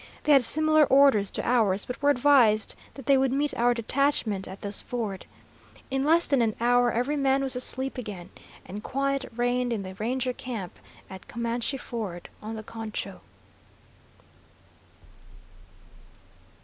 They had similar orders to ours, but were advised that they would meet our detachment at this ford. In less than an hour every man was asleep again, and quiet reigned in the Ranger camp at Comanche Ford on the Concho.